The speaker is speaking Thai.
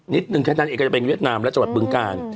นิดนึงแถนหนึ่งจะเป็นเวียดนามและจัวร์เบื้องการ